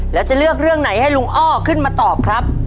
แล้วจะเลือกเรื่องไหนให้ลุงอ้อขึ้นมาตอบครับ